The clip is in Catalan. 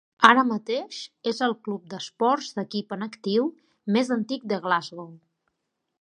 Ara mateix és el club d'esports d'equip en actiu més antic de Glasgow.